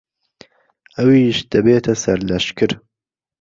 ئەویش دەبێتە سەرلەشکر.